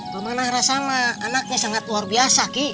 pemanah rasama anaknya sangat luar biasa ki